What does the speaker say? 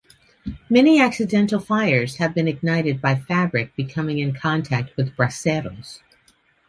Many accidental fires have been ignited by fabric coming in contact with "braseros".